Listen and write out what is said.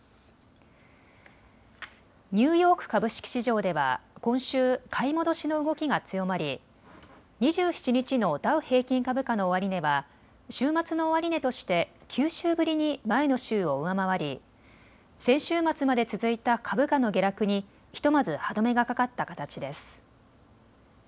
ニューヨーク株式市場では今週、買い戻しの動きが強まり２７日のダウ平均株価の終値は週末の終値として９週ぶりに前の週を上回り先週末まで続いた株価の下落にひとまず歯止めがかかった形です。